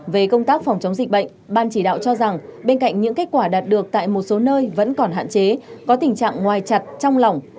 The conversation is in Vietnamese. về công tác phòng chống dịch bệnh ban chỉ đạo cho rằng bên cạnh những kết quả đạt được tại một số nơi vẫn còn hạn chế có tình trạng ngoài chặt trong lòng